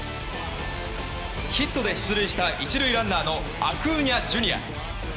ヒットで出塁した１塁ランナーのアクーニャＪｒ．。